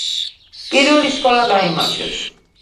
პირველი სკოლა გაიმარჯვებს